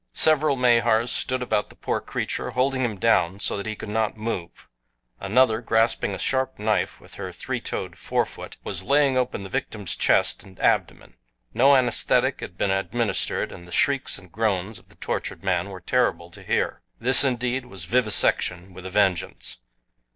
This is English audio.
Several Mahars stood about the poor creature holding him down so that he could not move. Another, grasping a sharp knife with her three toed fore foot, was laying open the victim's chest and abdomen. No anesthetic had been administered and the shrieks and groans of the tortured man were terrible to hear. This, indeed, was vivisection with a vengeance.